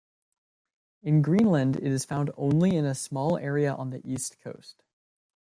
In Greenland it is found only in a small area on the east coast.